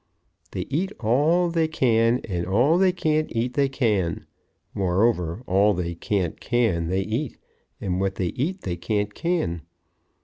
They eat all they can, and all they can't eat they can. Moreover, all they can't can they eat, and what they eat they can't can.